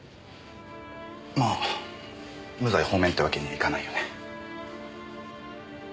まあ無罪放免ってわけにいかないよね。